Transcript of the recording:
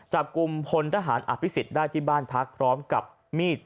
จับกลุ่มพลทหารอภิษฎได้ที่บ้านพักพร้อมกับมีด